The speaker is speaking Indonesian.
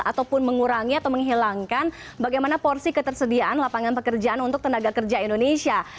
ataupun mengurangi atau menghilangkan bagaimana porsi ketersediaan lapangan pekerjaan untuk tenaga kerja indonesia